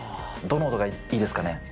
どの音がいいですかね。